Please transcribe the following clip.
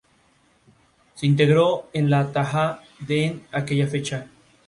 Se integró en La Taha en aquella fecha.